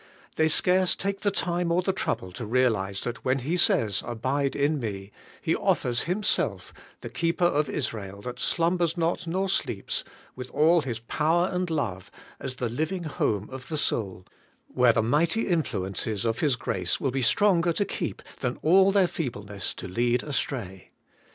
They scarce take the time or the trouble to realize that when He says ^ Abide IK me,' He offers Himself, the Keeper of Israel that slumbers not nor sleeps, with all His power and love, as the living home of the soid^ where the mighty influences of His grace will be stronger to keep than all their feebleness to lead astray.